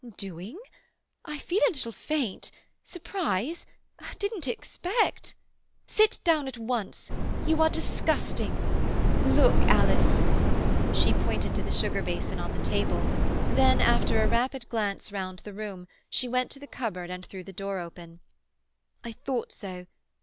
"Doing? I feel a little faint—surprise—didn't expect—" "Sit down at once. You are disgusting! Look, Alice." She pointed to the sugar basin on the table; then, after a rapid glance round the room, she went to the cupboard and threw the door open. "I thought so.